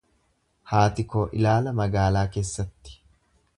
Haati koo ilaala magaalaa keessatti.